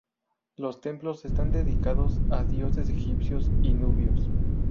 Los templos están dedicados a dioses egipcios y nubios.